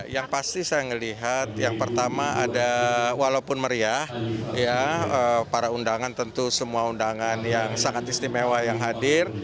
yang pasti saya melihat yang pertama ada walaupun meriah para undangan tentu semua undangan yang sangat istimewa yang hadir